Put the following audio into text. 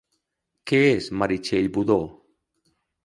Què és Meritxell Budó?